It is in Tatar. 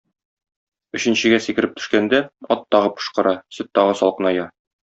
Өченчегә сикереп төшкәндә, ат тагы пошкыра, сөт тагы салкыная.